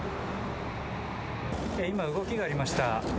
今、動きがありました。